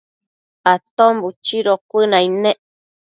Aton buchido cuënaid nec